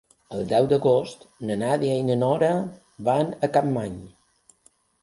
El deu d'agost na Nàdia i na Nora van a Capmany.